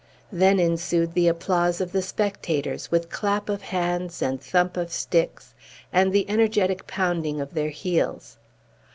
Then ensued the applause of the spectators, with clap of hands and thump of sticks, and the energetic pounding of their heels.